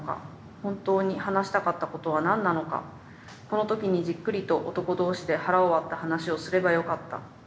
本当に話したかったことは何なのかこの時にじっくりと男同士で腹を割った話をすればよかった。